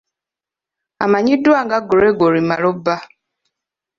Amanyiddwa nga Gregory Maloba.